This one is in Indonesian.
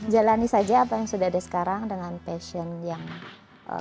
jalani saja apa yang sudah ada sekarang dengan passion yang bagus